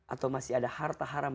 atau masih ada harta haram